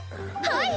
はい！